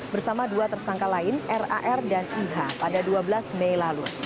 bersama dua tersangka lain rar dan iha pada dua belas mei lalu